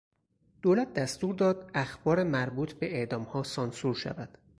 دولت دستور داد اخبار مربوط به اعدامها سانسور شود.